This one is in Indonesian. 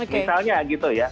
misalnya gitu ya